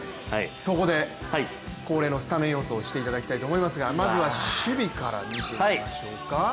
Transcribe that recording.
そこで恒例のスタメン予想をしていただきたいと思いますがまずは守備から見てみましょうか。